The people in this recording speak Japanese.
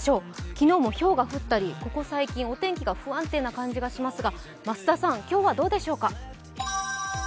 昨日もひょうが降ったり、ここ最近お天気が不安定な感じがしますが増田さん、今日はどうでしょうか？